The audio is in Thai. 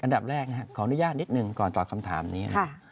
อันดับแรกขออนุญาตนิดนึงก่อนตอบคำถามนี้